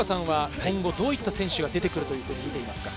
どういった選手が今後出てくると思いますか？